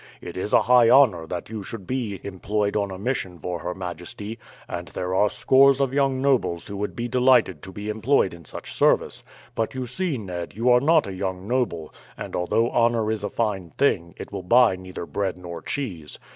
It is a high honour that you should be employed on a mission for her majesty, and there are scores of young nobles who would be delighted to be employed in such service; but you see, Ned, you are not a young noble, and although honour is a fine thing, it will buy neither bread nor cheese.